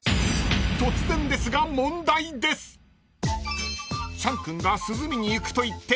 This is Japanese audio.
［突然ですが問題です］ほう。